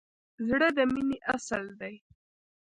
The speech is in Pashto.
زړه د مینې اصل دی.